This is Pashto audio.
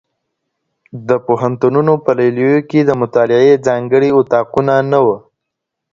د پوهنتونونو په لیلیو کي د مطالعې ځانګړي اتاقونه نه وو.